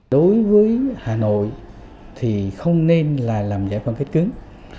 đối với hà nội thì không nên là làm giải phân cách cứng